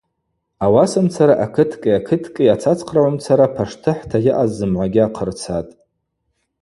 Ауасамцара акыткӏи акыткӏи ацацхърагӏумцара паштыхӏта йаъаз зымгӏвагьи ахъырцатӏ.